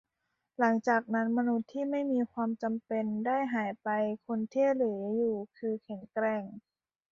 หลังจากนั้น มนุษย์ที่ไม่มีความจำเป็นได้หายไป คนที่เหลืออยู่คือแข็งแกร่ง